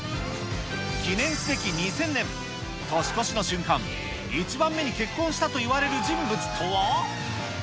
記念すべき２０００年、年越しの瞬間、１番目に結婚したといわれる人物とは？